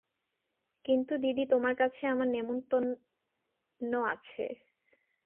কিন্তু দিদি, তোমার কাছে আমার নেমন্তন্ন আছে।